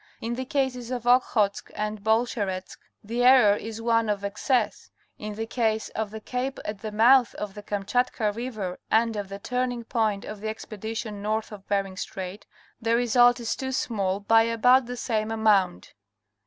In the cases of Okhotsk and Bolsheretsk the error is one of excess; in the case of the cape at the mouth of the Kamchatka river and of the turning point of the expedition north of Bering Strait, the result is too small by about the same amount.